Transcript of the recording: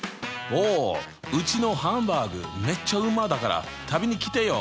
うちのハンバーグめっちゃうまだから食べにきてよ。